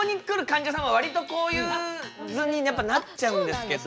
んじゃさんは割とこういう図にやっぱなっちゃうんですけど。